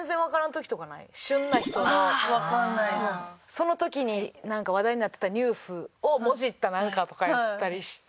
その時になんか話題になってたニュースをもじったなんかとかやったりして。